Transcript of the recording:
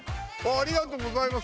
ありがとうございます。